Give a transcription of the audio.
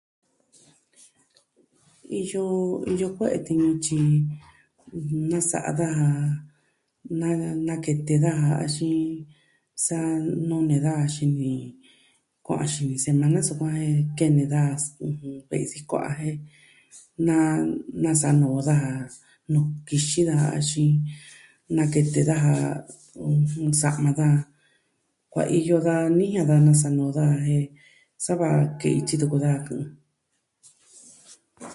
Iyo, iyo kue'e tinutyi, nasa'a daa nakete daa axin sa nuu nee daa xini, kuaa xini semana sukuan e kene daa, ve'i sikua'a jen nasa no'o daja, nuu kixin daa axin nakete daja sa'ma daa. Kuaiyo da niya da na sanuu da jen sava kei tyi tuku daa.